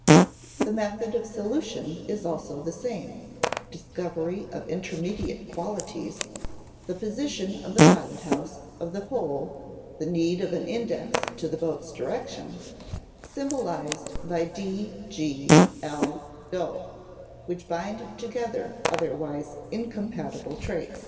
The method of solution is also the same: discovery of intermediate qualities (the position of the pilot house, of the pole, the need of an index to the boat's direction) symbolized by d, g, l, o, which bind together otherwise incompatible traits.